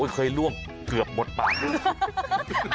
เคยล่วงเกือบหมดปากด้วย